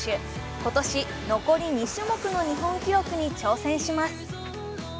今年、残り２種目の日本記録に挑戦します。